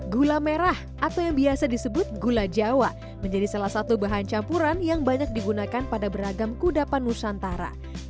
gula merah atau yang biasa disebut gula jawa menjadi salah satu bahan campuran yang banyak digunakan pada beragam kudapan nusantara